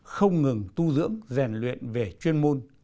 không ngừng tu dưỡng rèn luyện về chuyên môn